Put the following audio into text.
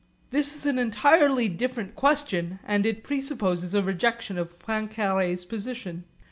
This is an entirely different question and it presupposes a rejection of Poincaré's position.